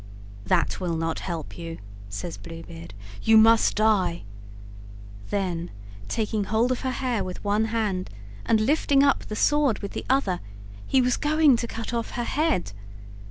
"That will not help you," says Blue Beard; "you must die;" then, taking hold of her hair with one hand, and lifting up the sword with the other, he was going to cut off her head.